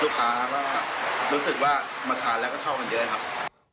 ลูกค้าก็รู้สึกว่ามาทานแล้วก็ชอบกันเยอะครับ